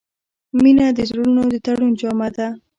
• مینه د زړونو د تړون جامه ده.